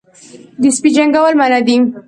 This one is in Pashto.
د سپي جنګول منع دي